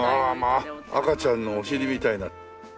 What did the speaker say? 赤ちゃんのお尻みたいな。